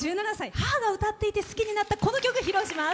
母が歌っていて好きになったこの歌、披露します。